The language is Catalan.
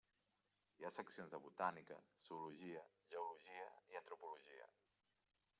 Hi ha seccions de botànica, zoologia, geologia i antropologia.